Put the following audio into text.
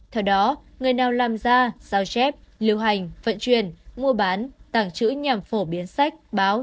theo đó người nào làm ra giao chép lưu hành vận chuyển mua bán tảng chữ nhằm phổ biến sách báo